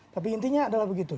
tapi intinya adalah begitu